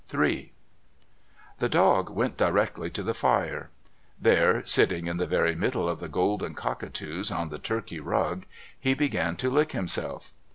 III The dog went directly to the fire; there, sitting in the very middle of the golden cockatoos on the Turkey rug, he began to lick himself.